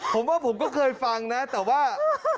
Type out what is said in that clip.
ผมว่าผมก็เคยฟังนะแต่ว่า